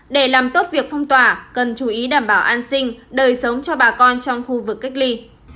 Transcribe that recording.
để làm tốt việc phong tỏa cần chú ý đảm bảo an sinh đời sống cho bà con trong khu vực cách ly